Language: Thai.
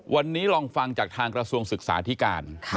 วันนี้ลองฟังจากทางกระทรวงศึกษาธิการ